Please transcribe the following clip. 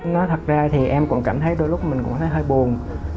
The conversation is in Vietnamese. nói thật ra thì em cũng cảm thấy đôi lúc mình cũng thấy hơi buồn